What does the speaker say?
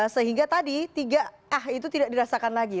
sehingga tadi tiga ah itu tidak dirasakan lagi